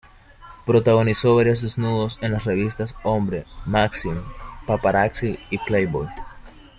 Protagonizó varios desnudos en las revistas Hombre, Maxim, Paparazzi y Playboy.